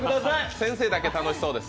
先生だけ楽しそうです。